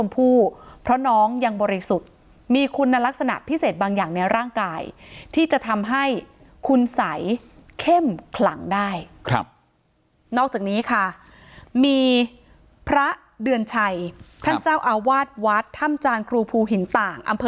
พระเดือนชัยท่านเจ้าอาวาสวัดถ้ำจานครูภูหินต่างอำเภอ